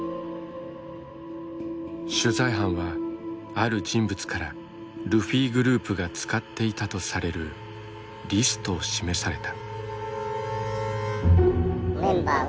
取材班はある人物からルフィグループが使っていたとされるリストを示された。